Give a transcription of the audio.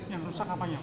yang rusak apanya pak